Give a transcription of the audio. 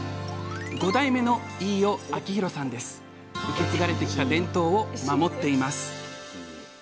５代目の受け継がれてきた伝統を守っています。